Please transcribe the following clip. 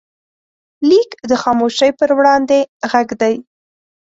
لیک د خاموشۍ پر وړاندې غږ دی.